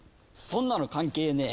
そんなの関係ねえ